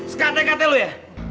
sekatek katek lo ya